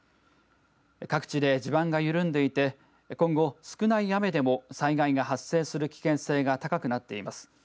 各地で地盤が緩んでいて今後少ない雨でも災害が発生する危険性が高くなっています。